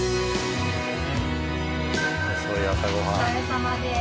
お疲れさまです。